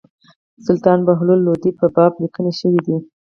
سلطان بهلول لودي په باب لیکني شوي دي.